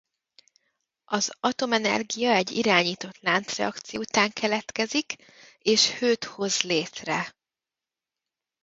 Az atomenergia egy irányított láncreakció után keletkezik és hőt hoz létre.